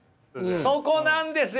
そこなんですよ！